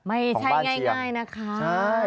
ไม่ใช่ง่ายนะคะ